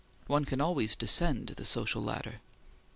One can always descend the social ladder.